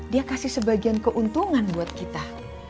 dia kasih sebagian keuntungan buat kita